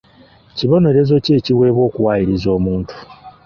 Kibonerezo ki ekiweebwa okuwaayiriza omuntu?